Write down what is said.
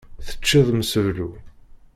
Teččiḍ mseblu.